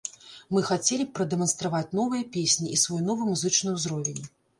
Мы хацелі б прадэманстраваць новыя песні і свой новы музычны ўзровень.